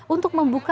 untuk membuka jadwal